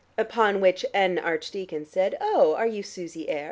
Upon which "an" archdeacon said, "Oh, are you Susie Ayr?"